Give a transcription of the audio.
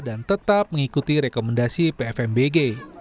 dan tetap mengikuti rekomendasi pfmbg